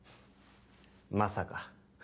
まさか。